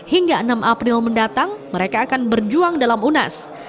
hingga enam april mendatang mereka akan berjuang dalam unas